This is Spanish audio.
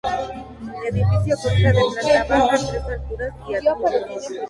El edificio consta de planta baja, tres alturas y ático.